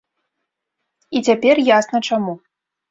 І цяпер ясна чаму.